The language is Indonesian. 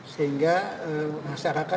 sehingga masyarakat bisa berpikir pikir